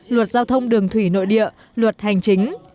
luật giao thông đường thủy nội địa luật hành chính